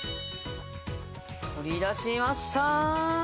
取り出しました！